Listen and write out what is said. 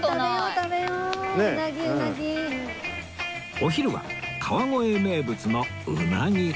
お昼は川越名物のうなぎ